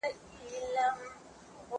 زه مرسته نه کوم؟!